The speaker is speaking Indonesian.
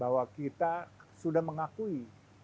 bahwa kita sudah mengakui